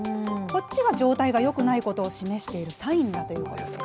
こっちは状態がよくないことを示しているサインだということです。